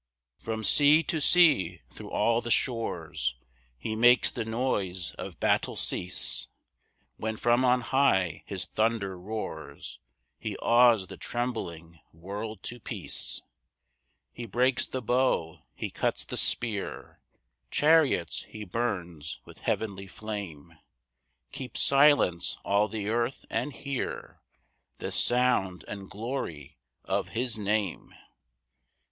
3 From sea to sea, thro' all the shores, He makes the noise of battle cease; When from on high his thunder roars, He awes the trembling world to peace. 4 He breaks the bow, he cuts the spear, Chariots he burns with heavenly flame; Keep silence all the earth, and hear The sound and glory of his Name.